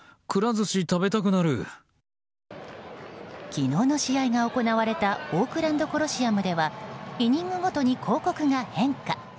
昨日の試合が行われたオークランド・コロシアムではイニングごとに広告が変化。